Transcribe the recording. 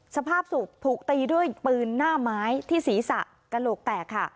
สภาพศพถูกตีด้วยปืนหน้าไม้ที่ศีรษะกระโหลกแตกค่ะ